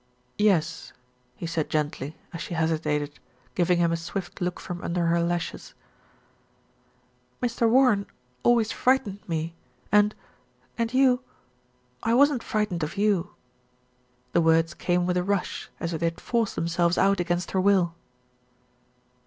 "Yes," he said gently, as she hesitated, giving him a swift look from under her lashes. "Mr. Warren always frightened me and, and you I wasn't frightened of you." The words came with a rush, as if they had forced themselves out against her will.